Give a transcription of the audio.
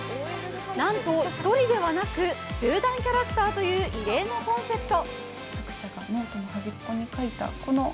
なんと１人ではなく集団キャラクターという異例のコンセプト。